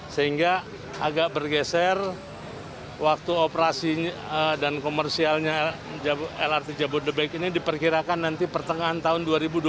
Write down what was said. sehingga agak bergeser waktu operasi dan komersialnya lrt jabodebek ini diperkirakan nanti pertengahan tahun dua ribu dua puluh tiga